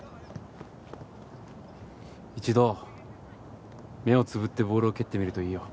一度目をつぶってボールを蹴ってみるといいよ。